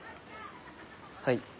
はい。